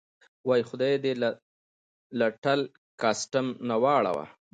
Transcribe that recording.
وایي: خدای دې له ټل کسټم نه واړوه.